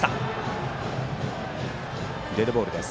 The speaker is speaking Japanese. デッドボールです。